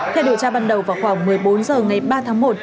theo điều tra ban đầu vào khoảng một mươi bốn h ngày ba tháng một